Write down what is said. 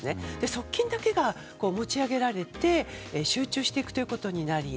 側近だけが持ち上げられて集中していくということになり